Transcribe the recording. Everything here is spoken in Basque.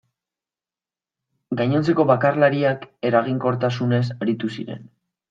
Gainontzeko bakarlariak eraginkortasunez aritu ziren.